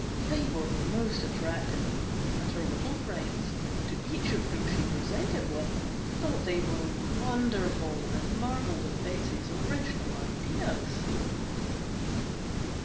They were most attractive, and her little friends, to each of whom she presented one, thought they were wonderful, and marvelled at Betsey's original ideas.